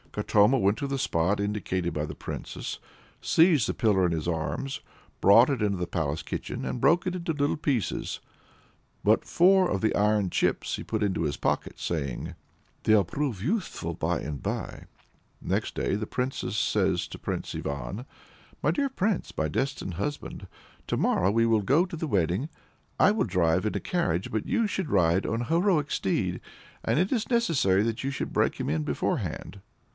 Katoma went to the spot indicated by the Princess, seized the pillar in his arms, brought it into the palace kitchen, and broke it into little pieces; but four of the iron chips he put into his pocket, saying "They'll prove useful by and by!" Next day the princess says to Prince Ivan "My dear Prince, my destined husband! to morrow we have to go to the wedding. I will drive in a carriage, but you should ride on a heroic steed, and it is necessary that you should break him in beforehand."